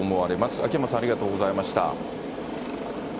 秋山さん、ありがとうございました。